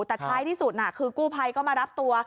แต่ท้ายที่สุดคือกู้ภัยก็มารับตัว